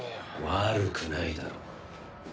悪くないだろ？